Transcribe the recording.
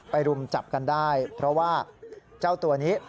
รุมจับกันได้เพราะว่าเจ้าตัวนี้